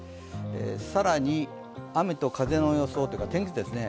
更に雨と風の予想、天気図ですね。